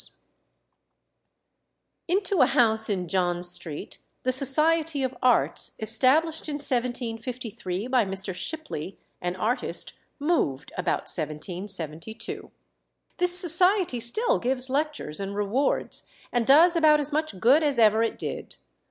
Into a house in John Street the Society of Arts, established in 1753 by Mr. Shipley, an artist, moved, about 1772. This society still give lectures and rewards, and does about as much good as ever it did.